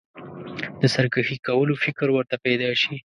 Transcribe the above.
د سرکښي کولو فکر ورته پیدا شي.